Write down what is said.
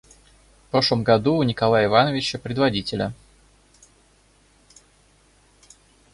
В прошлом году у Николая Ивановича, предводителя.